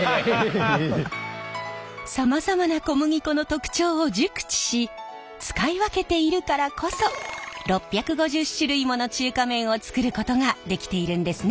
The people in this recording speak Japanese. さまざまな小麦粉の特長を熟知し使い分けているからこそ６５０種類もの中華麺を作ることができているんですね。